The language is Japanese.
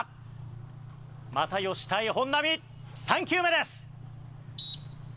又吉対本並３球目です。